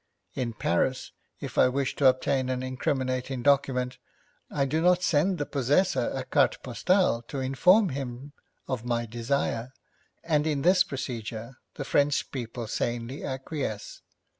In Paris, if I wish to obtain an incriminating document, I do not send the possessor a carte postale to inform him of my desire, and in this procedure the French people sanely acquiesce.